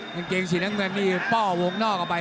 กางเกงสีน้ำเงินนี่ป้อวงนอกออกไป